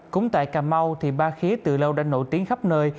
cũng tại cà mau thì ba khía từ lâu đã nổi tiếng khắp nơi